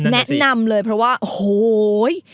แนะนำเลยเพราะว่าโอ้โห